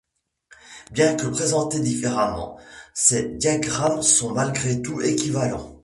Bien que présentés différemment, ces diagrammes sont malgré tout équivalents.